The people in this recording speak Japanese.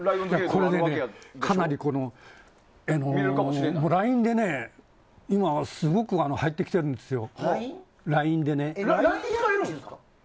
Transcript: これはね、かなりＬＩＮＥで今、すごく入ってきてるんですよ。